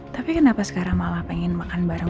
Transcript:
tapi kenapa sekarang malah pengen makan bareng